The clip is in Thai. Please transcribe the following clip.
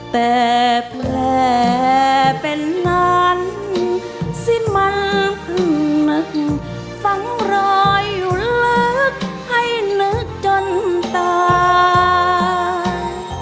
แต่แผลเป็นนั้นสิ้นมันเพิ่งนึกฟังรอยอยู่ลึกให้นึกจนตาย